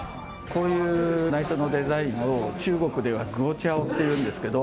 こういう内装のデザインを、中国ではグオチャオっていうんですけど。